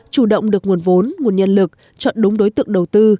chủ động được nguồn vốn nguồn nhân lực chọn đúng đối tượng đầu tư